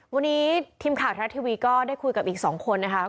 วันนี้ทีมข่าวทรัฐทีวีก็ได้คุยกับอีก๒คนนะคะ